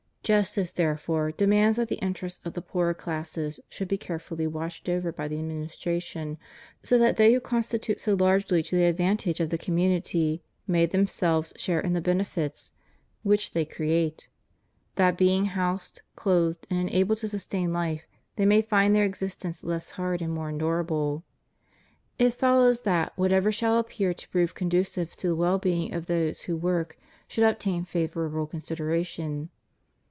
Justice, therefore, demands that the interests of the poorer classes should be carefully watched over by the administration, so that they who contribute so largely to the advantage of the community may themselves share in the benefits which ^ St. Thomas of Aquin, De Regimine Principum, i. 15. 230 CONDITION OF THE WORKING CLASSES. they create — that being housed, clothed, and enabled to sustain life, they may find their existence less hard and more endurable. It follows that whatever shall appear to prove conducive to the well being of those who work should obtain favorable consideration.